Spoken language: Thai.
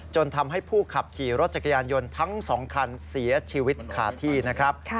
จนทำให้ผู้ขับขี่รถจักรยานยนต์ทั้ง๒คันเสียชีวิตขาดที่นะครับ